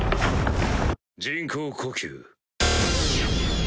人工呼吸。